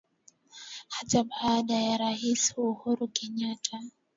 Hata baada ya Rais Uhuru Kenyatta